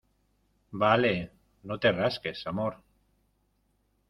vale. no te rasques, amor .